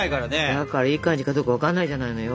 だからいい感じかどうか分かんないじゃないのよ。